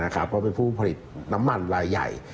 ก็เป็นผู้ผลิตน้ำมันรายใหญ่